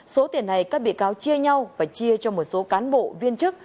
số tiền này các bị cáo chia nhau và chia cho một số cán bộ viên chức